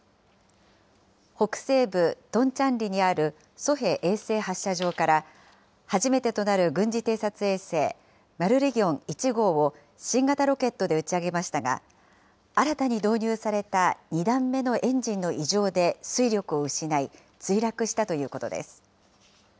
北西部トンチャンリにあるソヘ衛星発射場から、初めてとなる軍事偵察衛星、マルリギョン１号を新型ロケットで打ち上げましたが、新たに導入された２段目のエンジンの異常で推力を失い、墜落したということです。